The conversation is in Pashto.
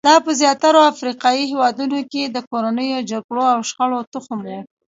دا په زیاترو افریقایي هېوادونو کې د کورنیو جګړو او شخړو تخم وو.